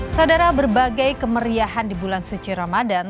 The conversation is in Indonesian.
sadara berbagai kemeriahan di bulan suci ramadhan